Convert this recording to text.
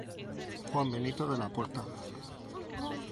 Juana Benito de la Puerta.